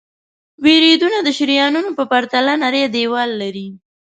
وریدونه د شریانونو په پرتله نری دیوال لري.